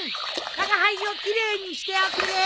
わが輩を奇麗にしておくれ。